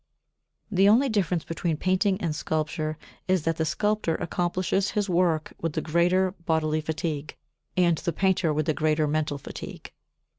36. The only difference between painting and sculpture is that the sculptor accomplishes his work with the greater bodily fatigue, and the painter with the greater mental fatigue.